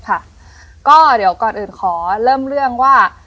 ค่ะก็เดี๋ยวก่อนอื่นขอเริ่มเรื่องว่า